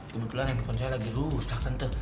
kebetulan handphone saya lagi rusak tante